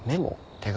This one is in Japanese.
手紙？